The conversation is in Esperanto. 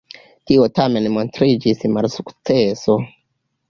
Tio tamen montriĝis malsukceso.